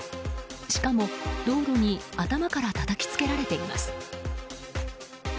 しかも、道路に頭からたたきつけられています。